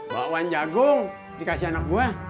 bawaan jagung dikasih anak gue